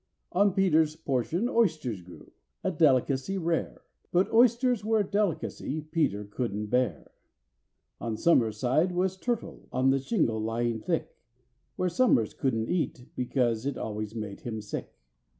On PETER'S portion oysters grew—a delicacy rare, But oysters were a delicacy PETER couldn't bear. On SOMERS' side was turtle, on the shingle lying thick, Which SOMERS couldn't eat, because it always made him sick.